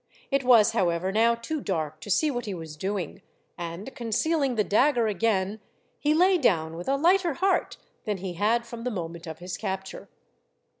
It was, however, now too dark to see what he was doing, and concealing the dagger again, he lay down with a lighter heart than he had from the moment of his capture.